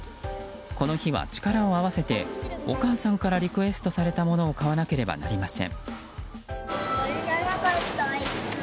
この日は、力を合わせてお母さんからリクエストされたものを買わなければなりません。